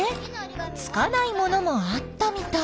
つかないものもあったみたい。